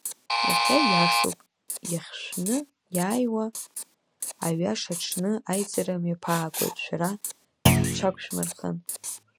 Иахьа ҩашоуп, иахьшәны, иааиуа аҩаша аҽны аизара мҩаԥаагоит, шәара шәҽагшәмырхан.